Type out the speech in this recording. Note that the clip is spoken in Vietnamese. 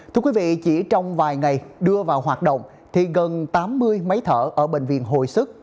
thưa quý vị chỉ trong vài ngày đưa vào hoạt động thì gần tám mươi máy thở ở bệnh viện hồi sức